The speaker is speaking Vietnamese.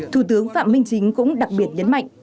thủ tướng phạm minh chính cũng đặc biệt nhấn mạnh